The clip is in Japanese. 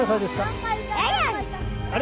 あれ？